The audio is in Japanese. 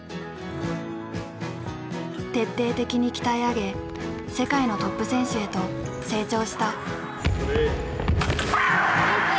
徹底的に鍛え上げ世界のトップ選手へと成長した。